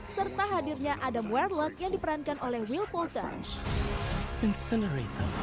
serta hadirnya adam warlock yang diperankan oleh will polters